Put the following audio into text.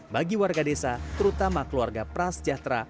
bagi warga desa terutama keluarga prasejahtera